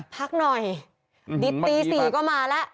พักหน่อยดิตตี๔ก็มาแล้ว